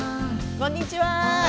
こんにちは。